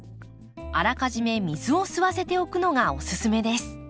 あらかじめ水を吸わせておくのがおすすめです。